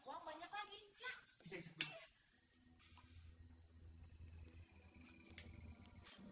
jiragan adekang samin mau bertemu